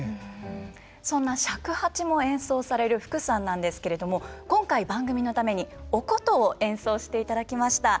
そんな尺八も演奏される福さんなんですけれども今回番組のためにお箏を演奏していただきました。